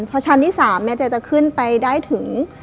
เพราะชั้นที่๓เจ๊จะขึ้นไปได้ถึง